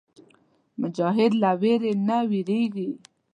مجاهد له ویرې نه وېرېږي.